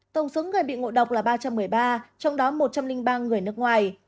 tổng số người bị ngộ độc là ba trăm một mươi ba trong đó một trăm linh ba người nước ngoài